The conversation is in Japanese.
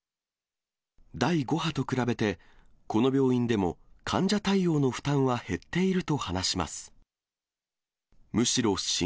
第５波と比べて、この病院でも患者対応の負担は減っていると話します。